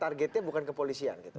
targetnya bukan kepolisian gitu